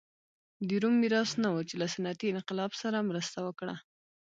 د روم میراث نه و چې له صنعتي انقلاب سره مرسته وکړه.